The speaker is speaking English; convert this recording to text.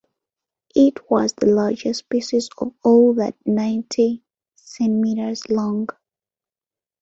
It was the largest species of all at ninety centimetres long.